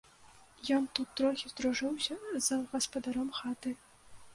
Ён тут трохі здружыўся з гаспадаром хаты.